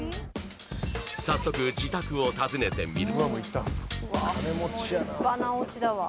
早速自宅を訪ねてみる